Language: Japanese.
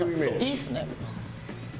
いいですね。